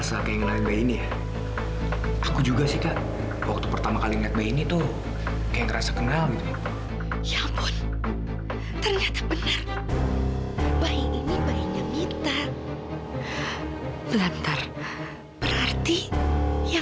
sampai jumpa di video selanjutnya